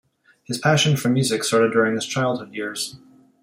His passion for music started during his childhood years.